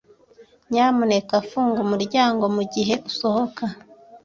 Nyamuneka funga umuryango mugihe usohoka.